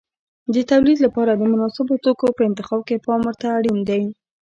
د تولید لپاره د مناسبو توکو په انتخاب کې پام ورته اړین دی.